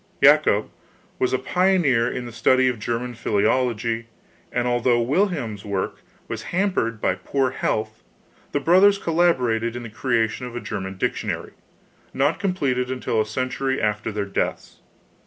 Jacob was a pioneer in the study of German philology, and although Wilhelm's work was hampered by poor health the brothers collaborated in the creation of a German dictionary, not completed until a century after their deaths.